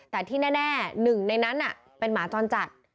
แต่ที่แน่หนึ่งในนั้นเป็นหมาจรจัด